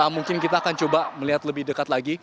mungkin kita akan coba melihat lebih dekat lagi